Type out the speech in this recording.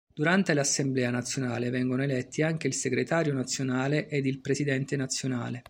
Durante l'assemblea nazionale vengono eletti anche il Segretario Nazionale ed il Presidente Nazionale.